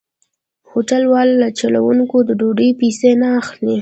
هوټل والا له چلوونکو د ډوډۍ پيسې نه اخلي.